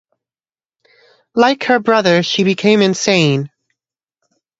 Like her brother she became insane.